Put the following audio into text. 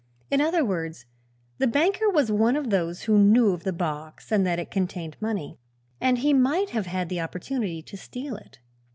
In other words, the banker was one of those who knew of the box and that it contained money, and he might have had the opportunity to steal it.